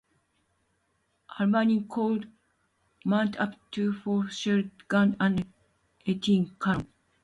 "Albany" could mount up to four shell guns and eighteen cannon.